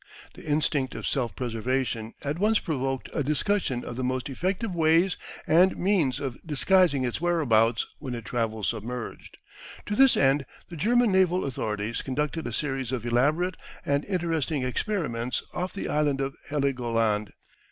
The instinct of self preservation at once provoked a discussion of the most effective ways and means of disguising its whereabouts when it travels submerged. To this end the German naval authorities conducted a series of elaborate and interesting experiments off the island of Heligoland.